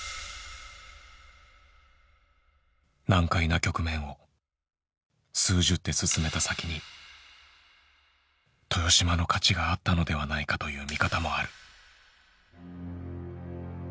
難解な局面を数十手進めた先に豊島の勝ちがあったのではないかという見方もある。